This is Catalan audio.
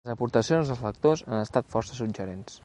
Les aportacions dels lectors han estat força suggerents.